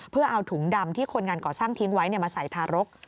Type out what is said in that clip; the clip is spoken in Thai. เพื่อเอาถุงดำที่คนงานก่อสร้างทิ้งไว้มาใส่ทารก